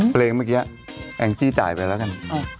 เพลงเมื่อกี้แองจี้จ่ายไปแล้วกัน